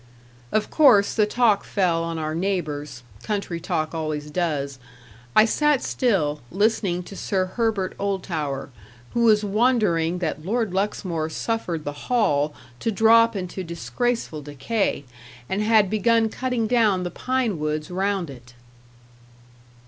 Of course the talk fell on our neighbours country talk always does. I sat still, listening to Sir Herbert Oldtower, who was wondering that Lord Luxmore suffered the Hall to drop into disgraceful decay, and had begun cutting down the pine woods round it.